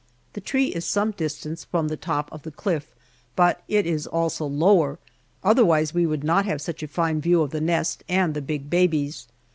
The tree is some distance from the top of the cliff, but it is also lower, otherwise we would not have such a fine view of the nest and the big babies.